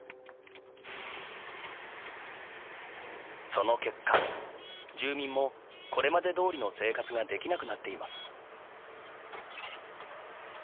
その結果住民もこれまでどおりの生活ができなくなっています。